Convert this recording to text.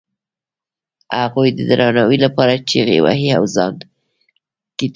هغوی د درناوي لپاره چیغې وهي او ځان ټیټوي.